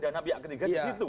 dana pihak ketiga disitu